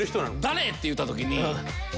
「誰？」って言うた時に。